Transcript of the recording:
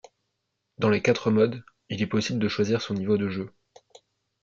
Dans les quatre modes, il est possible de choisir son niveau de jeu.